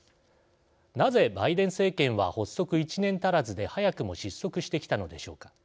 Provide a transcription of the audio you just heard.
なぜバイデン政権は発足１年足らずで早くも失速してきたのでしょうか。